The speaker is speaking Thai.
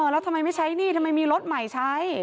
แล้วทำไมไม่ใช้หนี้ทำไมมีรถใหม่ใช้